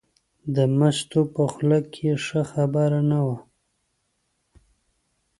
د مستو په خوله کې ښه خبره نه وه.